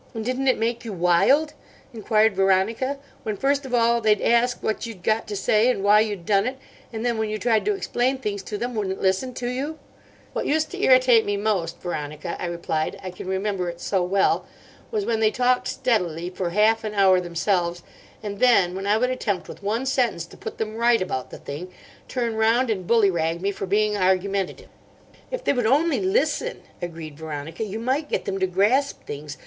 "And didn't it make you wild?" enquired Veronica, "when first of all they'd ask what you'd got to say and why you'd done it, and then, when you tried to explain things to them, wouldn't listen to you?" "What used to irritate me most, Veronica," I replied—"I can remember it so well—was when they talked steadily for half an hour themselves, and then, when I would attempt with one sentence to put them right about the thing, turn round and bully rag me for being argumentative." "If they would only listen," agreed Veronica, "you might get them to grasp things.